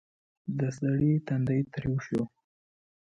د سړي تندی تريو شو: